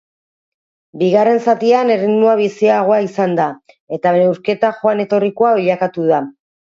Bigarren zatian, erritmoa biziagoa izan da eta neurketa joan-etorrikoa bilakatu da.